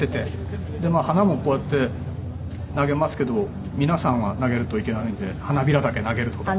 花もこうやって投げますけど皆さんは投げるといけないので花びらだけ投げるとか。